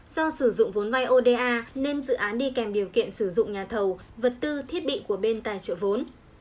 do sử dụng vốn vai oda nên dự án đi kèm điều kiện sử dụng nhà thầu vật tư thiết bị của bên tài trợ vốn